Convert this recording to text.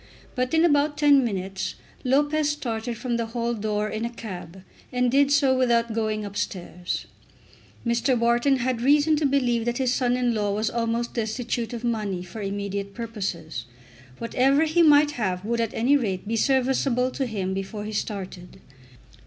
But, in about ten minutes, Lopez started from the hall door in a cab, and did so without going upstairs. Mr. Wharton had reason to believe that his son in law was almost destitute of money for immediate purposes. Whatever he might have would at any rate be serviceable to him before he started.